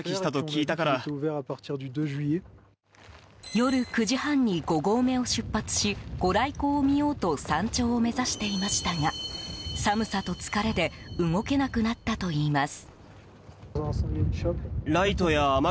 夜９時半に５合目を出発しご来光を見ようと山頂を目指していましたが寒さと疲れで動けなくなったといいます。